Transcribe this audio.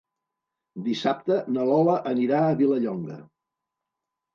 Dissabte na Lola anirà a Vilallonga.